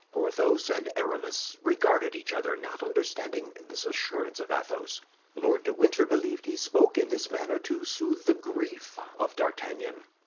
Porthos and Aramis regarded each other, not understanding this assurance of Athos. Lord de Winter believed he spoke in this manner to soothe the grief of D'Artagnan.